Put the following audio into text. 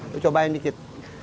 lo cobain dikit